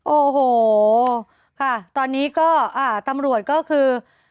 โอ้โหค่ะตอนนี้ก็ตำรวจก็คือ